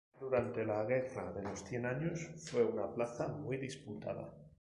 Durante la Guerra de los Cien años fue una plaza muy disputada.